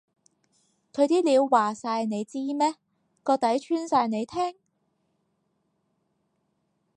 佢啲料話晒你知咩？個底穿晒你聽？